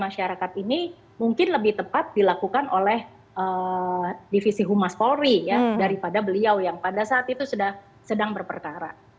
masyarakat ini mungkin lebih tepat dilakukan oleh divisi humas polri ya daripada beliau yang pada saat itu sedang berperkara